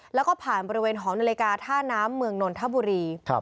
แล้วก็ผ่านบริเวณหอนาฬิกาท่าน้ำเมืองนนทบุรี